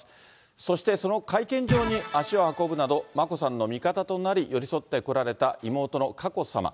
そしてその会見場に足を運ぶなど、眞子さんの味方となり、寄り添ってこられた妹の佳子さま。